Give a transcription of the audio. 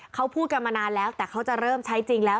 เขาพูดกันมานานแล้วแต่เขาจะเริ่มใช้จริงแล้ว